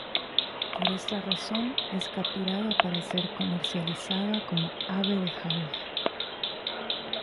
Por esta razón es capturada para ser comercializada como ave de jaula.